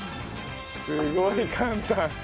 すごい簡単。